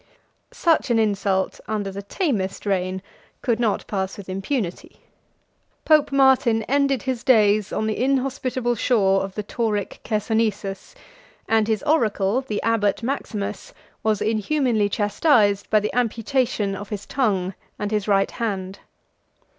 Such an insult under the tamest reign could not pass with impunity. Pope Martin ended his days on the inhospitable shore of the Tauric Chersonesus, and his oracle, the abbot Maximus, was inhumanly chastised by the amputation of his tongue and his right hand.